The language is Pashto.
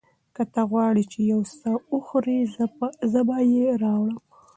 که ته غواړې چې یو څه وخورې، زه به یې راوړم.